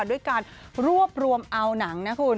ด้วยการรวบรวมเอาหนังนะคุณ